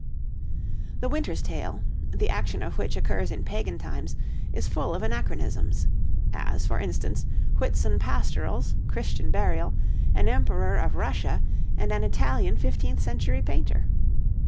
The 'Winter's Tale,' the action of which occurs in Pagan times, is full of anachronisms. As, for instance, Whitsun pastorals, Christian burial, an Emperor of Russia, and an Italian fifteenth century painter.